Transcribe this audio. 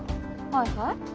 はいはい？